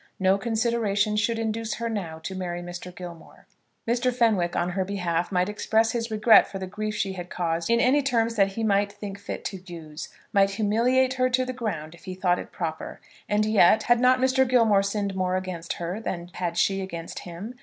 No consideration should induce her now to marry Mr. Gilmore. Mr. Fenwick, on her behalf, might express his regret for the grief she had caused in any terms that he might think fit to use, might humiliate her to the ground if he thought it proper. And yet, had not Mr. Gilmore sinned more against her than had she against him?